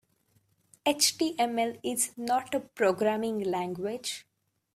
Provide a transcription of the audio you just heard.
HTML is not a programming language.